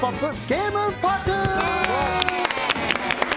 ゲームパーク！